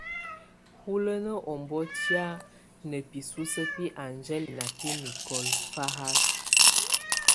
Hulənə ɔ́mbɔ́tiá ná bǐsusə bɛ angele na bɛ nicole fáhák.